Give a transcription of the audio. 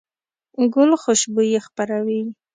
ګل خوشبويي خپروي.